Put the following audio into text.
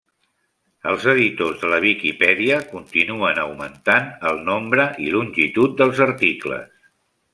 Els editors de la Viquipèdia continuen augmentant el nombre i longitud dels articles.